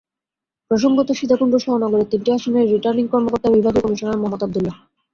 প্রসঙ্গত, সীতাকুণ্ডসহ নগরের তিনটি আসনের রিটার্নিং কর্মকর্তা বিভাগীয় কমিশনার মোহাম্মদ আবদুল্লাহ।